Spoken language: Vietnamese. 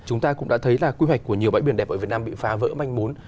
chúng ta cũng đã thấy là quy hoạch của nhiều bãi biển đẹp ở việt nam bị phá vỡ manh mốn